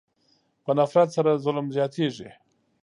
په نفرت سره ظلم زیاتېږي.